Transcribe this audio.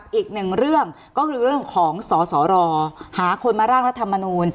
อีกหนึ่งเรื่องก็คือเรื่องของสสรหาคนมาร่างรัฐมนูล